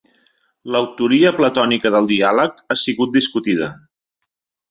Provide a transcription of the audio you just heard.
L'autoria platònica del diàleg ha sigut discutida.